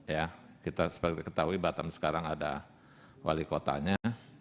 ya kita seperti ketahui batam sekarang ada wali kotanya